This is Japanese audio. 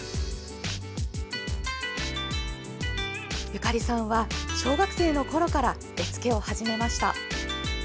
ゆかりさんは小学生のころから絵付けを始めました。